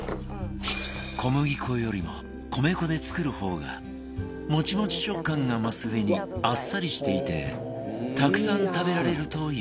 小麦粉よりも米粉で作る方がもちもち食感が増すうえにあっさりしていてたくさん食べられるという